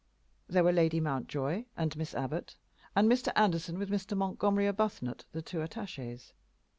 There were Lady Mountjoy, and Miss Abbot, and Mr. Anderson, with Mr. Montgomery Arbuthnot, the two attachés.